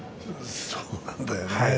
そうなんだよね